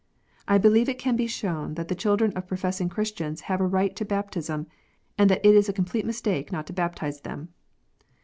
I believe it can be shown that ^ the children of professing Christians have a right to baptism, and that it is a complete mistake not to baptize them.